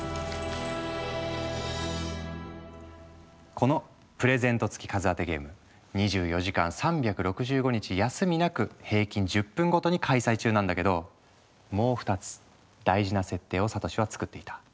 この「プレゼント付き数当てゲーム」２４時間３６５日休みなく平均１０分ごとに開催中なんだけどもう２つ大事な設定をサトシは作っていた。